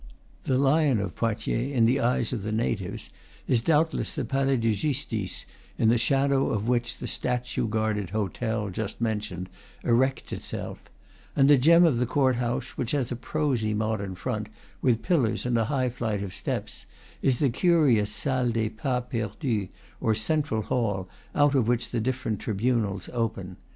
The lion of Poitiers, in the eyes of the natives, is doubtless the Palais de Justice, in the shadow of which the statue guarded hotel, just mentioned, erects itself; and the gem of the court house, which has a prosy modern front, with pillars and a high flight of steps, is the curious salle des pas perdus, or central hall, out of which the different tribunals open.